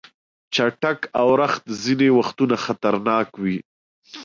چټک اورښت ځینې وختونه خطرناک وي.